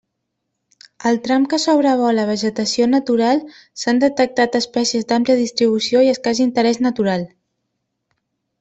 Al tram que sobrevola vegetació natural, s'han detectat espècies d'àmplia distribució i escàs interés natural.